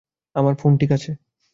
আমার ফোন ঠিক আছে।